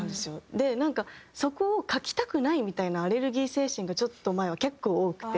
でなんかそこを書きたくないみたいなアレルギー精神がちょっと前は結構多くて。